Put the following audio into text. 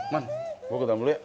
man gue ke dalam dulu ya